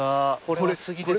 これ杉ですけど。